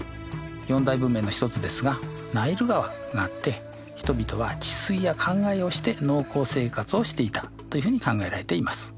四大文明の一つですがナイル川があって人々は治水やかんがいをして農耕生活をしていたというふうに考えられています。